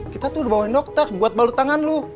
kita tuh udah bawain dokter buat balut tangan loh